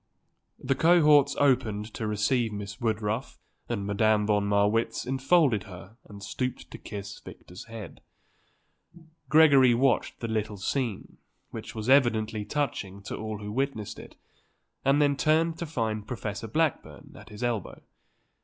The cohorts opened to receive Miss Woodruff and Madame von Marwitz enfolded her and stooped to kiss Victor's head. Gregory watched the little scene, which was evidently touching to all who witnessed it, and then turned to find Professor Blackburn at his elbow.